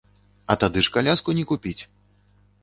А тады ж каляску не купіць!